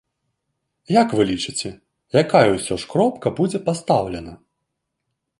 Як вы лічыце, якая ўсё ж кропка будзе пастаўлена?